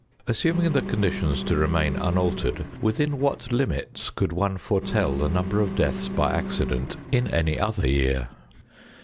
Assuming the conditions to remain unaltered, within what limits could one foretell the number of deaths by accident in any other year?